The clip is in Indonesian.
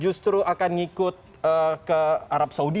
justru akan ikut ke arab saudi